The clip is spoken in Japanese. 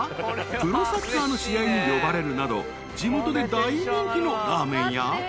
［プロサッカーの試合に呼ばれるなど地元で大人気のラーメンや］